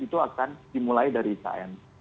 itu akan dimulai dari ikn